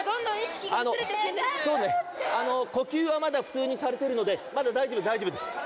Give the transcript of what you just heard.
呼吸はまだ普通にされてるのでまだ大丈夫大丈夫です。